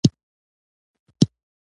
ځینې خبرې خواږه زهر دي